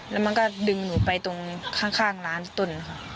แล้วมันก็ดึงหนูไปตรงข้างร้านต้นค่ะ